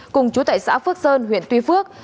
cùng chú tại xã phước sơn huyện tuy phước